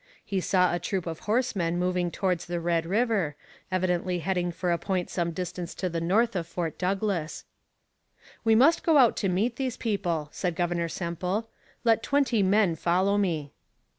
He saw a troop of horsemen moving towards the Red River evidently heading for a point some distance to the north of Fort Douglas. 'We must go out to meet these people,' said Governor Semple: 'let twenty men follow me.'